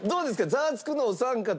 『ザワつく！』のお三方と。